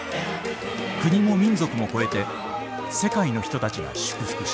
国も民族も超えて世界の人たちが祝福した。